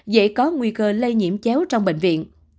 dễ có nguy cơ lây nhiễm chéo trong bệnh viện